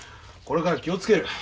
これから気を付ける。